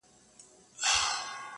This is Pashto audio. زه په خوبونو هم یقین نلرم